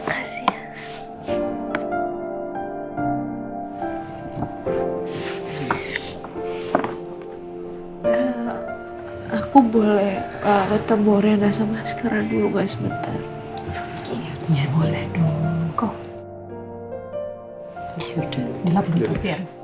aku boleh temborena sama sekarang dulu nggak sebentar boleh dong kok